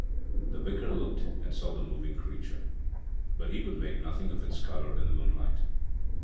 The Vicar looked and saw the moving creature, but he could make nothing of its colour in the moonlight.